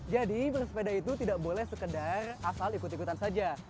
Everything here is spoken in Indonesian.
jadi bersepeda itu tidak boleh sekedar asal ikut ikutan saja